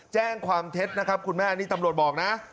แจ้งความเท็จนะครับคุณแม่นี่ตำรวจบอกนะ